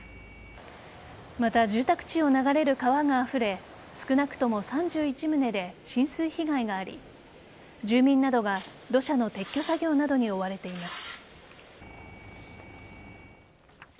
また、住宅地を流れる川があふれ少なくとも３１棟で浸水被害があり住民などが土砂の撤去作業などに追われています。